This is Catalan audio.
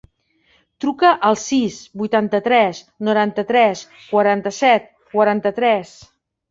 Truca al sis, vuitanta-tres, noranta-tres, quaranta-set, quaranta-tres.